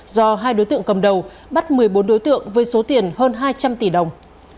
do hai đối tượng cầm đầu bắt một mươi bốn đối tượng với số tiền hơn hai trăm linh tỷ đồng